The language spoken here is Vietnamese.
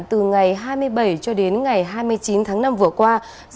từ ngày hai mươi bảy cho đến ngày hai mươi chín tháng năm vừa qua